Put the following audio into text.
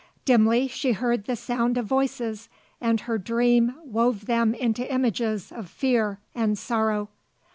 Dimly she heard the sound of voices and her dream wove them into images of fear and sorrow.